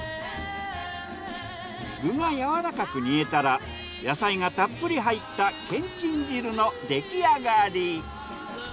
具がやわらかく煮えたら野菜がたっぷり入ったけんちん汁の出来上がり。